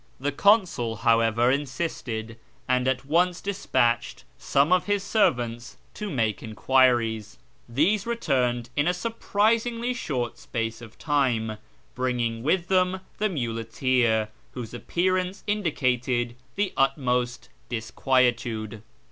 The consul, however, insisted, and at once desiiatched some of his servants to make enquiries. These returned in a surprisingly short space of time, bringing with them the muleteer, whose appearance indicated the utmost dis quietude.